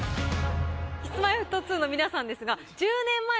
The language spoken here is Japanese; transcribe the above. Ｋｉｓ−Ｍｙ−Ｆｔ２の皆さんですが。